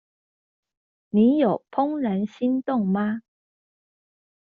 你有怦然心動嗎？